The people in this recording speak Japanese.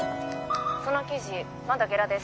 ☎その記事まだゲラです